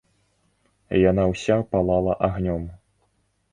Яна ўся палала агнём.